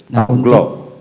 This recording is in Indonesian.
nah untuk glock